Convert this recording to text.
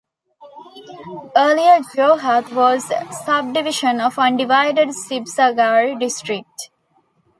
Earlier Jorhat was a sub-division of undivided Sibsagar district.